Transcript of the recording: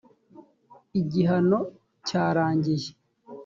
igihano cyarangiye.